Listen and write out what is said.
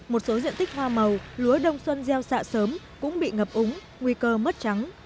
một số diện tích hoa màu lúa đông xuân gieo xạ sớm cũng bị ngập úng nguy cơ mất trắng